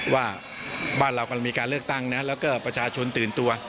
ว่าบ้านเราก็มีการเลือกตั้งและประชาชนตื่นตัว